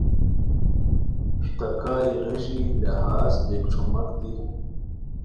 تہ کائے غیژی، لہاز، ڈیک ݯھوماک دی